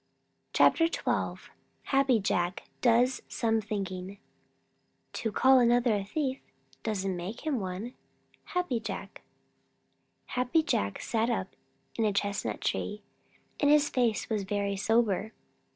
CHAPTER XII HAPPY JACK DOES SOME THINKING To call another a thief doesn't make him one. Happy Jack. Happy Jack sat up in a chestnut tree, and his face was very sober.